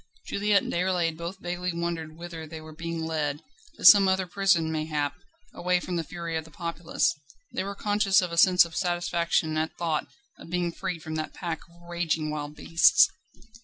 Juliette and Déroulède both vaguely wondered whither they were being led; to some other prison mayhap, away from the fury of the populace. They were conscious of a sense of satisfaction at thought of being freed from that pack of raging wild beasts.